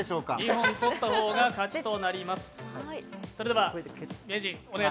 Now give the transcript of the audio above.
２本とった方が勝ちになります。